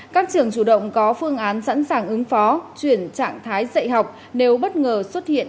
các trường chủ động có phương án sẵn sàng ứng phó chuyển trạng thái dạy học nếu bất ngờ xuất hiện